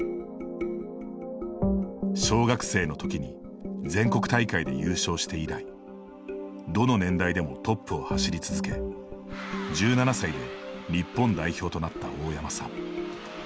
小学生のときに全国大会で優勝して以来どの年代でもトップを走り続け１７歳で日本代表となった大山さん。